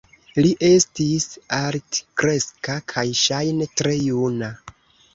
Li estis altkreska kaj ŝajne tre juna.